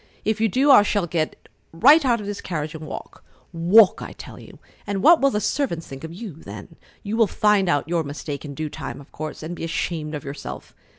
If you do, I shall get right out of this carriage and walk! Walk, I tell you! And what will the servants think of you then? You will find out your mistake in due time, of course, and be ashamed of yourself.